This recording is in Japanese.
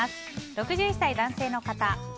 ６１歳、男性の方。